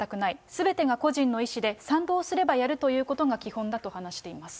すべてが個人の意思で、賛同すればやるということが基本だと話しています。